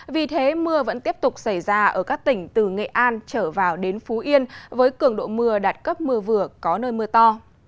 vì thế mưa vẫn tiếp tục xảy ra ở các tỉnh từ nghệ an trở vào đến phú yên với cường độ mưa đạt cấp mưa vừa có nơi mưa to